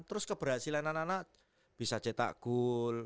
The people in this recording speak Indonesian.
terus keberhasilan anak anak bisa cetak gol